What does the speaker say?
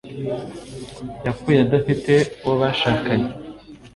yapfuye adafite uwo bashakanye